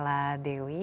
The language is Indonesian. iya terlalu banyak